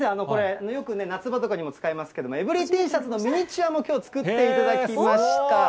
これ、よくね、夏場とかにも使いますけれども、ｅｖｅｒｙ．Ｔシャツのミニチュアもきょう、作っていただきました。